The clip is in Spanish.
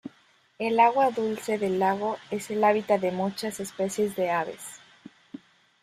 El agua dulce del lago es el hábitat de muchas especies de aves.